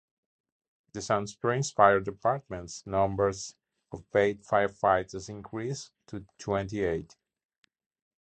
The Sand Springs Fire Departments numbers of paid firefighters increased to twenty eight.